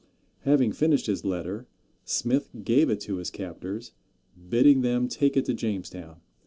Having finished his letter, Smith gave it to his captors, bidding them take it to Jamestown.